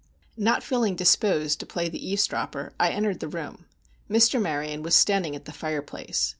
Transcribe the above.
Not feeling disposed to play the eavesdropper, I entered the room. Mr. Maryon was standing at the fireplace.